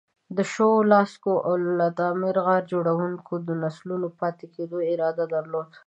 د شووه، لاسکو او التامیرا غار جوړونکو د نسلونو پاتې کېدو اراده درلوده.